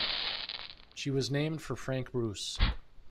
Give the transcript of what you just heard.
She was named for Frank Bruce.